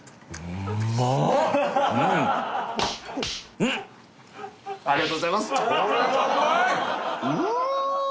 うんありがとうございますうわ！